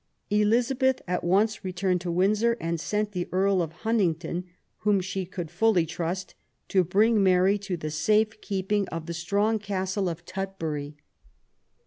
Elizabeth at once returned to Windsor, and sent the Earl of Hunt ingdon, whom she could fully trust, to bring Mary to the safe keeping of the strong castle of Tutbury.